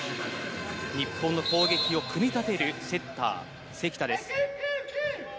日本の攻撃を組み立てるセッター、関田です。